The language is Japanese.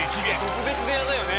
特別部屋だよね。